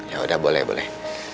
ya udah boleh boleh